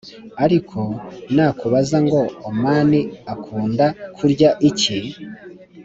ariko nakubaza ngo omani akunda kurya iki ?